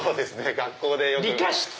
学校でよく。